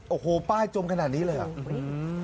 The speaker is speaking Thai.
โอ้โหป้ายจมขนาดนี้เลยอ่ะอืม